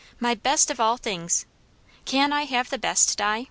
My best of all things. Can I have the best, Di?"